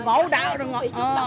có ngon có dở có độ ngộ đọc